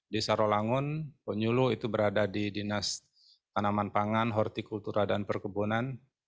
di sarolangun penyulu itu berada di dinas tanaman pangan hortikultura dan perkebunan